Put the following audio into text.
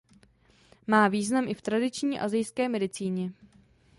Má význam i v tradiční asijské medicíně.